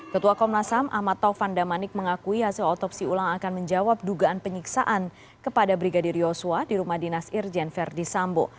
ketua komnas ham ahmad taufan damanik mengakui hasil otopsi ulang akan menjawab dugaan penyiksaan kepada brigadir yosua di rumah dinas irjen verdi sambo